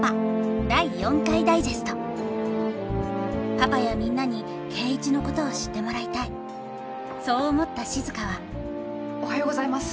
パパやみんなに圭一のことを知ってもらいたいそう思った静はおはようございます！